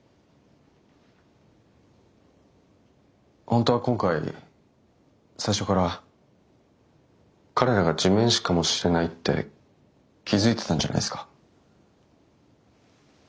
本当は今回最初から彼らが地面師かもしれないって気付いてたんじゃないですか？